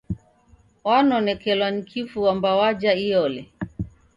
Wanonekelwa ni kifu wamba wajha iyole